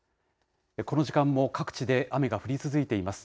この時間も各地で雨が降り続いています。